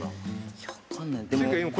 いや分かんない。